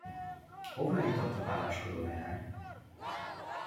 Hová jutott a páváskodó leány?